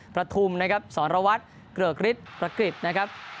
พระทุมสอนระวัตเกริกฤทพระกริจ